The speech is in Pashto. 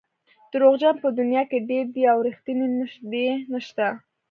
دروغجن په دنیا کې ډېر دي او رښتیني نژدې نشته.